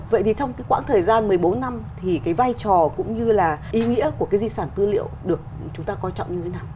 vậy thì trong cái quãng thời gian một mươi bốn năm thì cái vai trò cũng như là ý nghĩa của cái di sản tư liệu được chúng ta quan trọng như thế nào